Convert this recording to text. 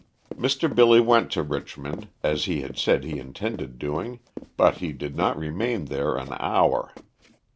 Mr. Billy went to Richmond, as he had said he intended doing, but he did not remain there an hour.